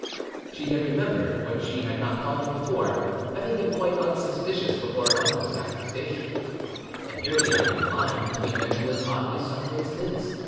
She then remembered, what she had not thought of before, having been quite unsuspicious before her uncle's accusation, and nearly out of her mind between mental and bodily suffering since.